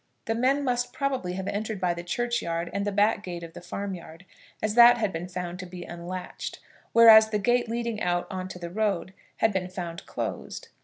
The men must probably have entered by the churchyard and the back gate of the farmyard, as that had been found to be unlatched, whereas the gate leading out on to the road had been found closed.